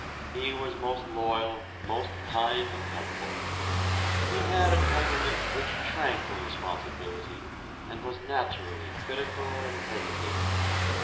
He was most loyal, most kind and helpful. He had a temperament which shrank from responsibility, and was naturally critical and hesitating.